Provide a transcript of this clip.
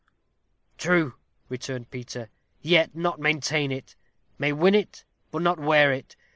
"True," returned Peter; "yet not maintain it. May win it, but not wear it.